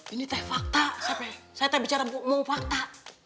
ini teh fakta saya teh bicara mau fakta